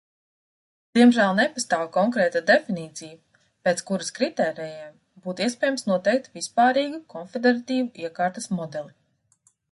Diemžēl nepastāv konkrēta definīcija, pēc kuras kritērijiem būtu iespējams noteikt vispārīgu konfederatīvu iekārtas modeli.